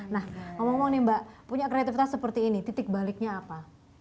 nah ngomong ngomong nih mbak punya kreativitas seperti ini titik baliknya apa